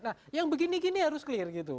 nah yang begini gini harus clear gitu